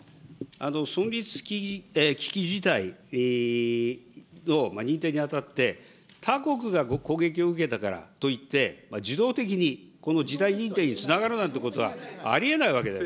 存立危機事態の認定にあたって、他国が攻撃を受けたからといって、自動的にこの事態認定につながるなんていうことはありえないわけです。